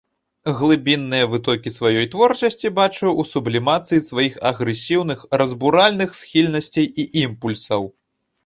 Глыбінныя вытокі сваёй творчасці бачыў у сублімацыі сваіх агрэсіўных, разбуральных схільнасцей і імпульсаў.